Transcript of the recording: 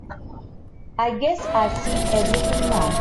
I guess I've seen everything now.